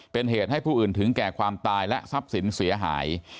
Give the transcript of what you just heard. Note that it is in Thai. เป็นเหตุให้ผู้อื่นถึงแก่ความตายและทรัพย์สินเสียหาย